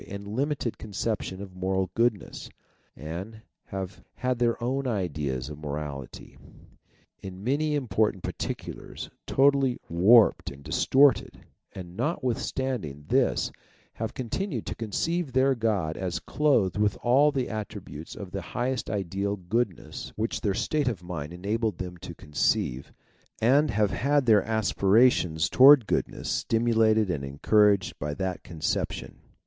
and limited conception of moral goodness, and have had their own ideas of morality, in many important 252 THEISM particulars, totally warped and distorted, and notwith standing this have continued to conceive their God as clothed with all the attributes of the highest ideal goodness which their state of mind enabled them to conceive, and have had their aspirations towards goodness stimulated and encouraged by that concep tion.